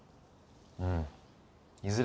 うんいずれ